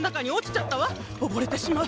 おぼれてしまう。